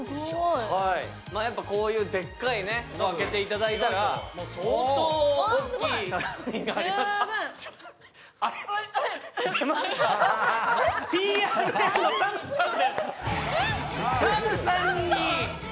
やっぱこういうでっかい、ドア開けていただいたら、相当大きい出ました、ＴＲＦのＳＡＭさん。